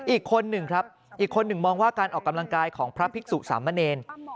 อีกคนหนึ่งครับอีกคนหนึ่งมองว่าการออกกำลังกายของพระภิกษุสามเณร